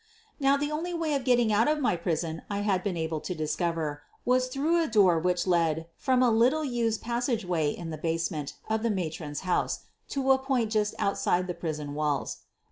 Now, the only way of getting out of my prison I had been able to discover was through a door which led from a little used passageway in the basement of the matron's house to a point just outside the prison walls.